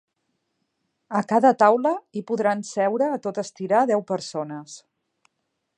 A cada taula, hi podran seure, a tot estirar, deu persones.